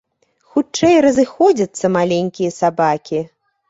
Хутчэй разыходзяцца маленькія сабакі.